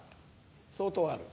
相当ある。